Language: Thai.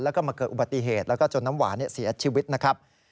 แล้วก็มาเกิดอุบัติเหตุแล้วก็จนน้ำหวานเสียชีวิตนะครับ